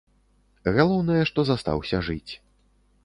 Галоўнае, што застаўся жыць.